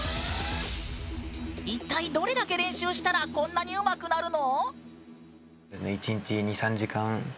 一体どれだけ練習したらこんなにうまくなるの？